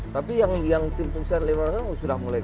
tapi yang tim sukses sudah mulai